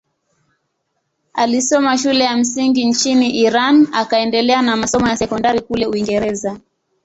Alisoma shule ya msingi nchini Iran akaendelea na masomo ya sekondari kule Uingereza.